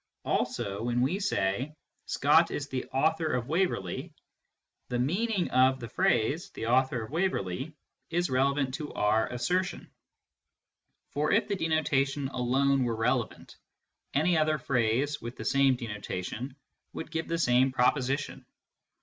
Also when we say " Scott is the KNOWLEDGE BY ACQUAINTANCE 227 author of Waverley," the meaning of " the author of Waverley " is relevant to our assertion. For if the denotation alone were relevant, any other phrase with the same denotation would give the same proposition.